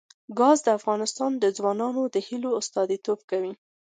ګاز د افغان ځوانانو د هیلو استازیتوب کوي.